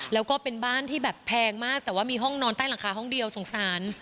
แล้วก็เป็นบ้านที่แบบแพงมากแต่ว่ามีห้องนอนใต้หลังคาห้องเดียวสงสาร